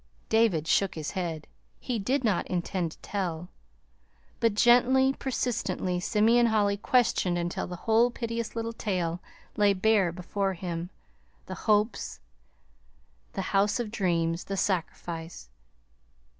David shook his head. He did not intend to tell. But gently, persistently, Simeon Holly questioned until the whole piteous little tale lay bare before him: the hopes, the house of dreams, the sacrifice.